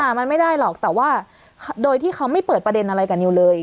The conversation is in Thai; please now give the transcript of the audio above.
มันไม่ได้หรอกแต่ว่าโดยที่เขาไม่เปิดประเด็นอะไรกับนิวเลย